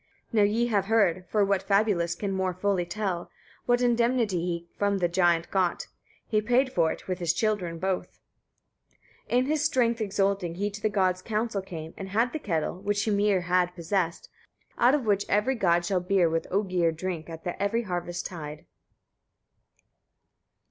38. Now ye have heard, for what fabulist can more fully tell what indemnity he from the giant got: he paid for it with his children both. 39. In his strength exulting he to the gods' council came, and had the kettle, which Hymir had possessed, out of which every god shall beer with Oegir drink at every harvest tide.